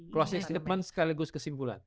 closing statement sekaligus kesimpulan